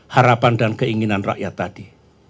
harapan dan keinginan rakyat tadi